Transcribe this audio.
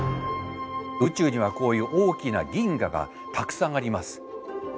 宇宙にはこういう大きな銀河がたくさんあります。